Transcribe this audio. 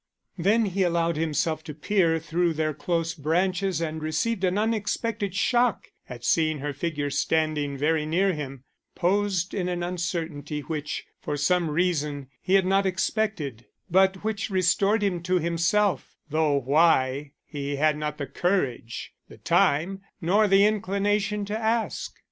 Then he allowed himself to peer through their close branches and received an unexpected shock at seeing her figure standing very near him, posed in an uncertainty which, for some reason, he had not expected, but which restored him to himself, though why he had not the courage, the time, nor the inclination to ask.